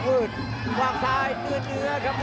วางซ้ายเงื่อนเนื้อครับ